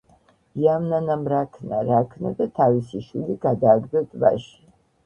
იავნანამ რა ქნა რა ქნა და თავისი შვილი გადააგდო ტბაში